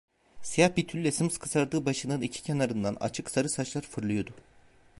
Siyah bir tülle sımsıkı sardığı başının iki kenarından açık sarı saçlar fırlıyordu.